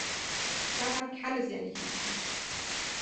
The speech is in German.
Daran kann es ja nicht liegen.